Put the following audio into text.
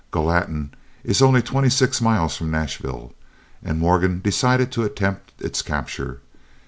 Gallatin is only twenty six miles from Nashville, and Morgan decided to attempt its capture.